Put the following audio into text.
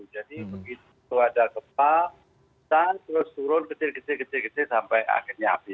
jadi begitu ada gempa terus turun kecil kecil sampai akhirnya habis